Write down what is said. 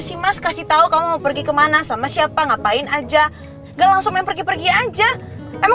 sih mas kasih tahu kamu pergi kemana sama siapa ngapain aja gak langsung main pergi pergi aja emang